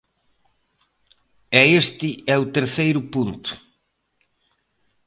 E este é o terceiro punto.